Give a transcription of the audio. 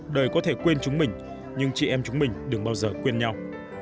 đời có thể quên chúng mình nhưng chị em chúng mình đừng bao giờ quên nhau